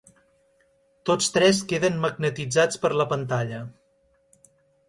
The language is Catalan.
Tots tres queden magnetitzats per la pantalla.